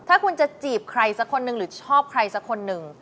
ถ้าคุณจะจีบใครสักคนหนึ่งหรือชอบใครสักคนหนึ่ง